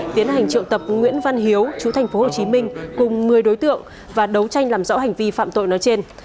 tiến hành triệu tập nguyễn văn hiếu chú tp hồ chí minh cùng một mươi đối tượng và đấu tranh làm rõ hành vi phạm tội nói trên